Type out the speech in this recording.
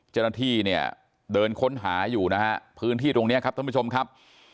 เจ้าหน้าที่เนี่ยเดินค้นหาอยู่นะฮะพื้นที่ตรงนี้ครับท่านผู้ชมครับ